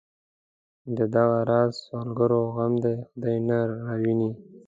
د دغه راز سوداګرو غم دی خدای نه راوویني.